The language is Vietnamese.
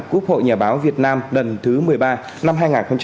cúp hội nhà báo việt nam đần thứ một mươi ba năm hai nghìn một mươi chín